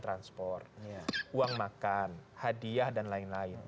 transport uang makan hadiah dan lain lain